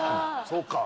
そうか。